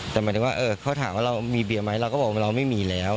แต่หมายถึงว่าเขาถามว่าเรามีเบียร์ไหมเราก็บอกว่าเราไม่มีแล้ว